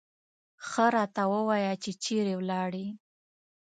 ښه راته ووایه چې چېرې ولاړې.